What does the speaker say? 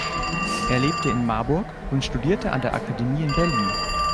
Er lebte in Marburg und studierte an der Akademie in Berlin.